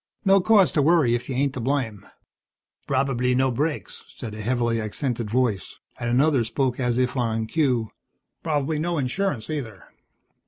"No cause to worry if you ain't to blame." "Probably no brakes," said a heavily accented voice, and another spoke as if on cue, "Probably no insurance, neither."